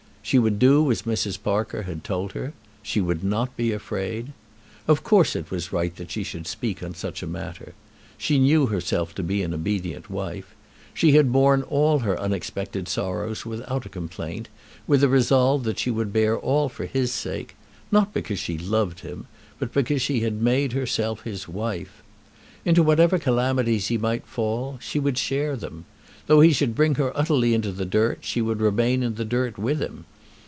She would do as Mrs. Parker had told her. She would not be afraid. Of course it was right that she should speak on such a matter. She knew herself to be an obedient wife. She had borne all her unexpected sorrows without a complaint, with a resolve that she would bear all for his sake, not because she loved him, but because she had made herself his wife. Into whatever calamities he might fall, she would share them. Though he should bring her utterly into the dirt, she would remain in the dirt with him.